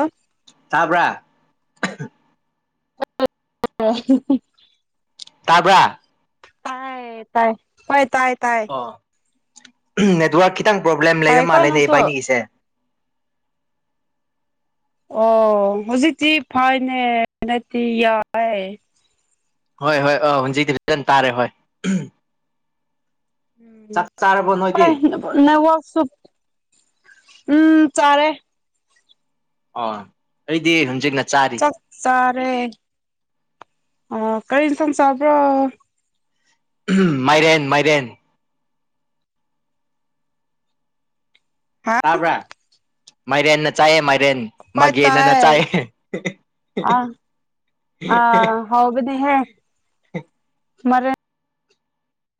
ꯑ [inaudible] ꯇꯥꯕ꯭ꯔꯥ [unintelligible] ꯇꯥꯕ꯭ꯔ ꯇꯥꯏ ꯇꯥꯏ ꯍꯣꯏ ꯇꯥꯏ ꯇꯥꯏ ꯑꯣ ꯅꯦꯠꯋꯥꯔꯛ ꯈꯤꯇꯪ ꯄ꯭ꯔꯣꯕ꯭ꯂꯦꯝ ꯂꯩꯕ ꯇꯥꯏꯀꯣ ꯃꯥꯜꯂꯦꯅꯦ ꯅꯪꯁꯨ ꯏꯕꯥꯏꯅꯤꯒꯤꯁꯦ ꯑꯣ ꯍꯧꯖꯤꯛꯇꯤ ꯐꯥꯏꯅꯦ ꯅꯠꯇꯦ ꯌꯥꯏ ꯍꯣꯏ ꯍꯣꯏ ꯑꯣ ꯍꯧꯟꯖꯤꯛꯇꯤ ꯐꯖꯟ ꯇꯥꯔꯦ ꯍꯣꯏ ꯎꯍꯝ ꯆꯥꯔꯕꯣ ꯅꯣꯏꯗꯤ ꯎꯝ ꯅꯦꯠꯋꯥꯛ ꯁꯨ ꯎꯝ ꯆꯔꯦ ꯑꯣ ꯑꯩꯗꯤ ꯍꯟꯖꯤꯟꯅ ꯆꯥꯏ ꯆꯥꯛ ꯆꯥꯔꯦ ꯑꯥ ꯀꯔꯤ ꯏꯟꯁꯥꯡ ꯆꯥꯕ꯭ꯔꯣ ꯃꯥꯏꯔꯦꯟ ꯃꯥꯏꯔꯦꯟ ꯍꯥ ꯇꯥꯕ꯭ꯔꯥ ꯃꯥꯏꯔꯦꯟꯅ ꯆꯥꯏꯌꯦ ꯃꯥꯏꯔꯦꯟ ꯍꯣꯏ ꯃꯥꯒꯦꯅꯅ ꯇꯥꯏ ꯆꯥꯏ ꯍꯥꯎꯕꯤꯗꯤꯍꯦ ꯃꯔ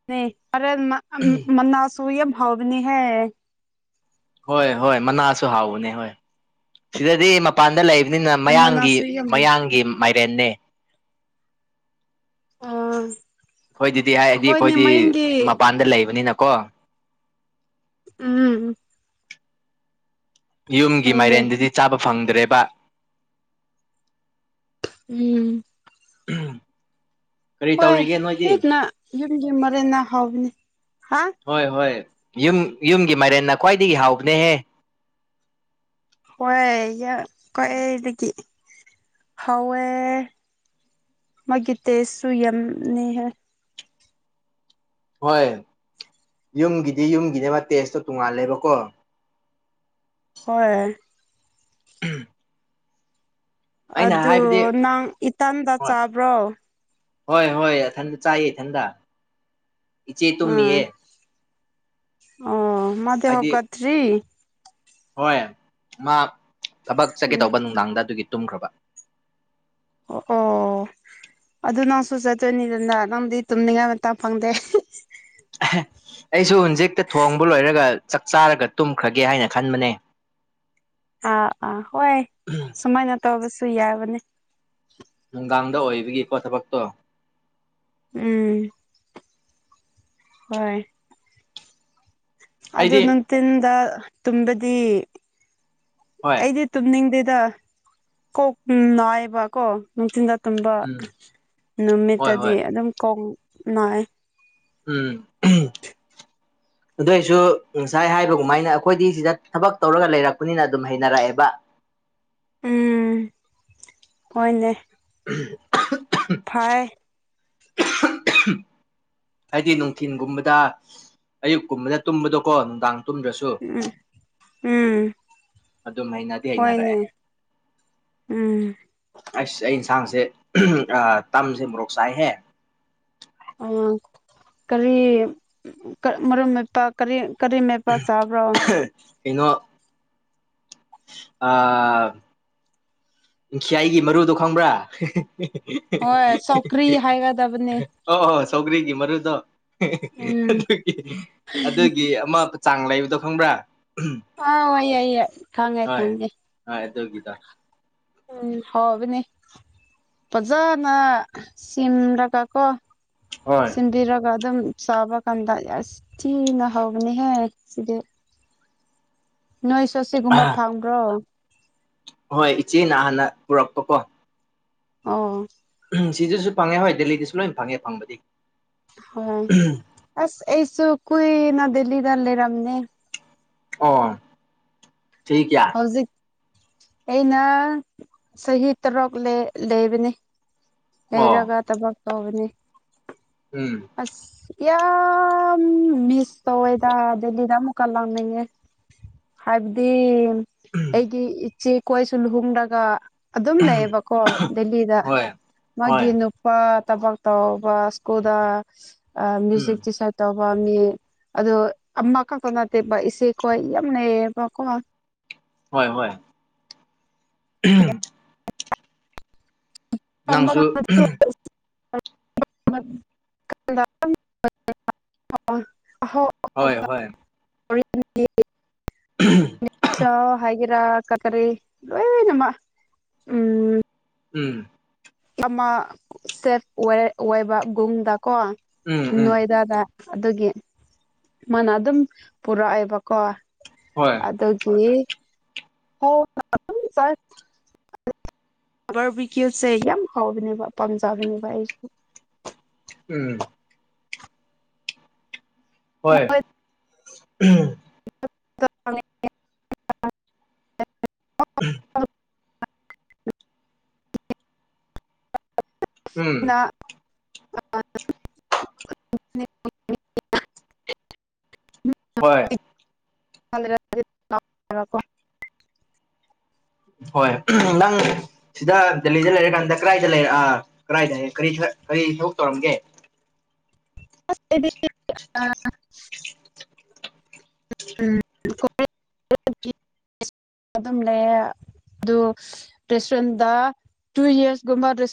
ꯅꯤ ꯑꯔꯦꯟ ꯃ ꯑꯝ ꯃꯅꯥꯁꯨꯨ ꯌꯥꯝ ꯍ ꯥꯎꯕꯅꯤ ꯍꯦ ꯍꯣꯏ ꯍꯣꯏ ꯃꯅꯥꯁꯨ ꯍꯥꯎꯕꯅꯦ ꯍꯣꯏ ꯁꯤꯗꯗꯤ ꯃꯄꯥꯟꯗ ꯂꯩꯕꯅꯤꯅ ꯃꯌꯥꯡꯒꯤ ꯃꯅꯥꯁꯨ ꯌꯥꯝ ꯃꯌꯥꯡꯒꯤ ꯃꯥꯏꯔꯦꯟꯅꯦ ꯑꯥ ꯑꯩꯈꯣꯏ ꯑꯗꯨꯗꯤ ꯍꯥꯏꯗꯤ ꯍꯣꯏꯅꯦ ꯑꯩꯈꯣꯏꯗꯤ ꯃꯌꯦꯡꯒꯤ ꯃꯄꯥꯟꯗ ꯂꯩꯕꯅꯤꯅꯀꯣ ꯎꯝ ꯌꯨꯝꯒꯤ ꯍꯣꯏꯅꯦ ꯃꯥꯏꯔꯦꯟꯗꯨꯗꯤ ꯆꯥꯕ ꯐꯪꯗ꯭ꯔꯦꯕ ꯎꯝ ꯎꯝ ꯍꯣꯏ ꯍꯦꯛꯅ ꯌꯨꯝꯒꯤ ꯃꯔꯦꯟ ꯍꯥꯎꯕꯅꯤ ꯍꯥ ꯍꯣꯏ ꯍꯣꯏ ꯌꯨꯝ ꯌꯨꯝꯒꯤ ꯃꯥꯏꯔꯦꯟꯅ ꯈ꯭ꯋꯥꯏꯗꯒꯤ ꯍꯥꯎꯕꯅꯦꯍꯦ ꯍꯣꯏ ꯀꯦꯗꯒꯤ ꯍꯧꯋꯦ ꯃꯣꯢꯒꯤ ꯇꯦꯁꯇꯣ ꯌꯥꯝꯅꯤꯍꯦ ꯍꯣꯏ ꯌꯨꯝꯒꯤꯗꯤ ꯌꯨꯝꯒꯤꯅꯦ ꯃꯥ ꯇꯦꯁꯇꯣ ꯇꯣꯡꯉꯥꯜꯂꯦꯕꯀꯣ ꯍꯣꯏ ꯎꯝ ꯑꯗꯨ ꯍꯥꯏꯕꯗꯤ ꯅꯪ ꯏ꯭ꯇꯥꯟꯗ ꯍꯣꯏ ꯆꯥꯕ꯭ꯔꯣ ꯍꯣꯏ ꯍꯣꯏ ꯑꯊꯟꯗ ꯆꯥꯏ ꯏ ꯢꯟꯗ ꯏꯆꯦ ꯎꯝ ꯇꯨꯝꯃꯤꯌꯦ ꯍꯥꯏꯗꯤ ꯊ꯭ꯔꯤ ꯍꯣꯏ ꯃꯥ ꯊꯕꯛ ꯆꯠꯀꯦ ꯎꯝ ꯇꯧꯕ ꯅꯨꯡꯗꯥꯡꯗ ꯑꯗꯨꯒꯤ ꯇꯨꯝꯈ꯭ꯔꯕ ꯑꯣ ꯑꯗꯨ ꯅꯪꯁꯨ ꯆꯠꯇꯣꯏꯅꯤꯗꯅ ꯅꯪꯗꯤ ꯇꯨꯝꯅꯤꯡꯉꯥꯏ ꯃꯇꯝ ꯐꯪꯗꯦ [unintelligible] ꯑꯩꯁꯨ ꯍꯨꯟꯖꯤꯛꯇ ꯊꯣꯡꯕ ꯂꯣꯏꯔꯒ ꯆꯥꯛ ꯆꯥꯔꯒ ꯇꯨꯝꯈ꯭ꯔꯒꯦ ꯍꯥꯏꯅ ꯈꯟꯕꯅꯦ ꯑꯥ ꯑꯥ ꯍꯣꯏ ꯁꯨꯃꯥꯏꯅ ꯇꯧꯕꯁꯨ ꯌꯥꯕꯅꯦ ꯅꯨꯡꯗꯥꯡꯗ ꯑꯣꯏꯕꯒꯤꯀꯣ ꯊꯕꯛꯇꯣ ꯎꯝ ꯍꯣꯏ ꯑꯗꯨ ꯑꯩꯗꯤ ꯅꯪ ꯇꯤꯟꯗ ꯇꯨꯝꯕꯗꯤ ꯍꯣꯏ ꯑꯩꯗꯤ ꯇꯨꯝꯅꯤꯡꯗꯦꯗ ꯀꯣꯛ ꯅꯥꯏꯑꯦꯕꯀꯣ ꯅꯨꯡꯊꯤꯟꯗ ꯇꯨꯝꯕ ꯎꯝ ꯍꯣꯏ ꯍꯣꯏ ꯅꯨꯃꯤꯠꯇꯗꯤ ꯑꯗꯨꯝ ꯀꯣꯡ ꯅꯥꯏ ꯎꯝ [unintelligible] ꯑꯗꯨꯏꯁꯨ ꯉꯁꯥꯏ ꯍꯥꯏꯕꯒꯃꯥꯏꯅ ꯑꯩꯈꯣꯏꯗꯤ ꯁꯤꯗ ꯊꯕꯛ ꯇꯧꯔꯒ ꯂꯩꯔꯛꯄꯅꯤꯅ ꯑꯗꯨꯝ ꯍꯩꯅꯔꯛꯑꯦꯕ ꯎꯝ ꯍꯣꯏꯅꯦ ꯎꯝ ꯐꯥꯏ ꯍꯥꯏꯗꯤ ꯅꯨꯡꯊꯤꯟꯒꯨꯝꯕꯗ ꯑꯌꯨꯛꯀꯨꯝꯕꯗ ꯇꯨꯝꯕꯗꯣꯀꯣ ꯅꯨꯡꯗꯥꯡ ꯇꯨꯝꯗ꯭ꯔꯁꯨ ꯎꯝ ꯎꯝ ꯑꯗꯨꯝ ꯍꯩꯅꯗꯤ ꯍꯣꯏꯅꯦ ꯍꯩꯅꯔꯛꯑꯦ ꯎꯝ ꯑꯁ ꯑꯩ ꯌꯦꯟꯁꯥꯡꯁꯦ ꯑ ꯇꯝꯁꯦ ꯃꯣꯔꯣꯛ ꯆꯥꯏꯍꯦ ꯑ ꯀꯔꯤ ꯃꯔꯨꯞ ꯃꯄꯥꯛ ꯀꯔꯤ ꯀꯔꯤ ꯃꯦꯠꯄꯥ ꯆꯥꯕ꯭ꯔꯣ ꯑꯩꯅꯣ ꯑ ꯈꯌꯥꯏꯒꯤ ꯃꯔꯨꯗꯣ ꯈꯪꯕ꯭ꯔꯥ ꯍꯣꯏ ꯆꯧꯀ꯭ꯔꯤ ꯍꯥꯏꯒꯗꯕꯅꯤ ꯑꯣ ꯑꯣ ꯁꯧꯒ꯭ꯔꯤꯒꯤ ꯃꯔꯨꯗꯣ ꯎꯝ ꯑꯗꯨ ꯑꯗꯨꯒꯤ ꯑꯃ ꯆꯥꯡ ꯂꯩꯕꯗꯣ ꯈꯪꯕ꯭ꯔꯥ ꯑꯥꯎ ꯑꯩꯏꯦ ꯈꯥꯉꯦ ꯍꯣꯏ ꯈꯥꯉꯦ ꯍꯣꯏ ꯑꯗꯨꯒꯤꯗꯣ ꯎꯝ ꯍꯥꯎꯕꯅꯦ ꯃꯖꯥꯅ ꯁꯤꯝꯔꯒꯀ ꯍꯣꯏ ꯁꯤꯟꯕꯤꯔꯒ ꯑꯗꯨꯝ ꯆꯥꯕ ꯀꯥꯟꯗ ꯌꯥꯝ ꯊꯤꯅ ꯍꯧꯕꯅꯤꯍꯦꯛ ꯁꯤꯗꯤ ꯅꯣꯏꯁꯨ ꯁꯤꯒꯨꯝꯕꯥ ꯐꯪꯕ꯭ꯔꯣ ꯍꯣꯏ ꯏꯆꯦꯅ ꯍꯥꯟꯅ ꯄꯨꯔꯛꯄꯀꯣ ꯑꯣ ꯎꯝ ꯁꯤꯗꯖꯨ ꯐꯪꯉꯦ ꯍꯣꯏ ꯗꯦꯜꯂꯤꯗꯁꯨ ꯂꯣꯏ ꯐꯪꯉꯦ ꯐꯪꯕꯗꯤ ꯍꯣ ꯑꯁ ꯑꯩꯁꯨ ꯀꯨꯏꯅ ꯗꯦꯜꯂꯤꯗ ꯂꯩꯔꯝꯅꯦ ꯑꯣ ꯆꯍꯤ ꯀꯌꯥ ꯍꯧꯖꯤꯛ ꯑꯩꯅ ꯆꯍꯤ ꯇꯔꯨꯛ ꯂꯦ ꯂꯩꯕꯅꯦ ꯑꯣ ꯍꯩꯔꯒ ꯊꯕꯛ ꯇꯧꯕꯅꯤ ꯎꯝ ꯑꯁ ꯌꯥꯝ ꯃꯤꯁ ꯇꯧꯋꯦꯗ ꯗꯦꯜꯂꯤꯗ ꯑꯃꯨꯛꯀ ꯂꯥꯛꯅꯤꯡꯉꯦ ꯍꯥꯏꯕꯗꯤ ꯑꯩꯒꯤ ꯏꯆꯦ ꯀꯣꯏꯁꯨ ꯂꯨꯍꯣꯡꯂꯒ ꯑꯗꯨꯝ ꯂꯩꯌꯦꯕꯀꯣ ꯗꯦꯜꯂꯤꯗ ꯍꯣꯏ ꯍꯣꯏ ꯃꯥꯒꯤ ꯅꯨꯄꯥ ꯇꯕꯛ ꯇꯧꯕ ꯁ꯭ꯀꯨꯜꯗ ꯑ ꯎꯝ ꯃꯌꯨꯖꯤꯛꯇꯤ ꯆꯠ ꯇꯧꯕ ꯃꯤ ꯑꯗꯨ ꯑꯃꯈꯛꯇ ꯅꯠꯇꯦꯕ ꯏꯆꯦꯈꯣꯏ ꯌꯥꯝ ꯂꯩꯩꯌꯦꯕꯀꯣ ꯍꯣꯏ ꯍꯣꯏ [unintelligible] ꯅꯪꯁꯨ ꯐꯪꯕ [unintelligible] [unintelligible] ꯍꯣꯏ ꯍꯣꯏ [unintelligible] ꯍꯥꯏ ꯆꯥ ꯀꯀꯔꯤ ꯂꯣꯏꯅꯃꯛ ꯎꯝ ꯎꯝ ꯑꯃ ꯁꯦꯐ ꯑꯣꯏ ꯑꯣꯏꯕ ꯒꯨꯝꯗꯀꯣ ꯎꯝ ꯎꯝ ꯅꯣꯏꯗꯗ ꯑꯗꯨꯒꯤ ꯃꯥꯅ ꯑꯗꯨꯝ ꯄꯨꯔꯛꯑꯦꯕꯀꯣ ꯍꯣꯏ ꯑꯗꯨꯒꯤ [unintelligible] ꯕꯔꯕꯤꯀ꯭ꯌꯨꯁꯦ ꯌꯥꯝ ꯍꯥꯎꯕꯅꯦꯕ ꯄꯥꯝꯖꯕꯅꯦꯕ ꯑꯩꯁꯨ ꯎꯝ ꯍꯣꯏ [unintelligible] [unintelligible] ꯎꯝ ꯅ [unintelligible] [unintelligible] ꯍꯣꯏ [unintelligible] ꯍꯣꯏ ꯅꯪ ꯁꯤꯗ ꯗꯦꯜꯂꯤꯗ ꯂꯩꯔꯀꯥꯟꯗ ꯀꯔꯥꯏꯗ ꯂꯩꯔ ꯑꯥ ꯀꯗꯥꯏꯗꯌꯦ ꯀꯔꯤ ꯀꯔꯤ ꯊꯕꯛ ꯇꯧꯔꯝꯒꯦ ꯑꯩꯗꯤ [unintelligible] ꯑꯥ [unintelligible] ꯎꯝ ꯀꯣ [unintelligible] ꯑꯗꯨꯝ ꯂꯩꯌꯦ ꯑꯗꯨ ꯔꯦꯁꯇ꯭ꯔꯟꯗ ꯇꯨ ꯏꯌꯔꯁ ꯒꯨꯝꯕꯗ ꯔꯦꯁ